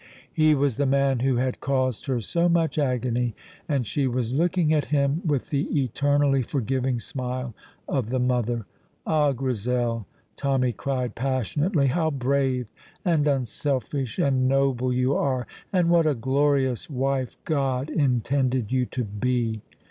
He was the man who had caused her so much agony, and she was looking at him with the eternally forgiving smile of the mother. "Ah, Grizel," Tommy cried passionately, "how brave and unselfish and noble you are, and what a glorious wife God intended you to be!"